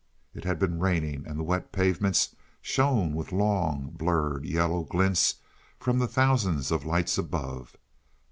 It had been raining, and the wet pavements shone with long, blurred yellow glints from the thousands of lights above.